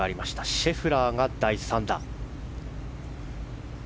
シェフラーが第３打。